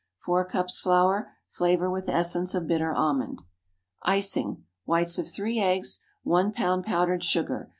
4 cups flour. Flavor with essence of bitter almond. Icing, whites of three eggs, 1 lb. powdered sugar.